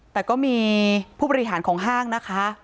แต่ก็มีผู้บริหารของห้างนะคะ